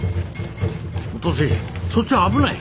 お登勢そっちは危ない！